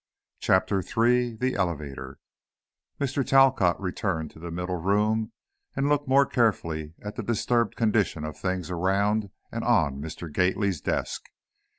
CHAPTER III The Elevator Mr. Talcott returned to the middle room and looked more carefully at the disturbed condition of things around and on Mr. Gately's desk.